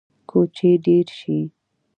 کوچي ډیر شي